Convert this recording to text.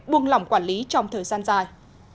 buông lỏng quản lý trong thời gian dài